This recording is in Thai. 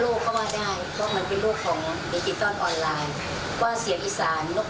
แล้วก็รับร้านอีเวนต์รับร้านทั่วไปรับงานเสียงอีสานด้วยจ้างเสียงอีสานด้วย